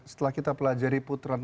setelah kita pelajari puteran